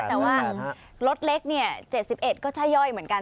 แต่ว่ารถเล็ก๗๑ก็ใช่ย่อยเหมือนกัน